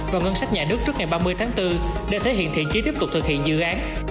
vào ngân sách nhà nước trước ngày ba mươi tháng bốn để thể hiện thiện chi tiết tiếp tục thực hiện dự án